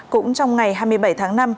cũng trong ngày hai mươi bảy tháng năm